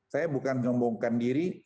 saya bukan ngomongkan diri